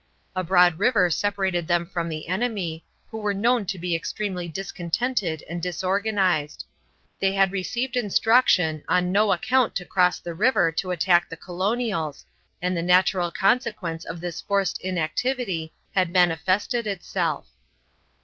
A broad river separated them from the enemy, who were known to be extremely discontented and disorganized. They had received instruction on no account to cross the river to attack the colonials, and the natural consequence of this forced inactivity had manifested itself.